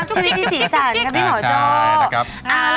ชีวิตที่สีสั่นค่ะพี่หมอโจ้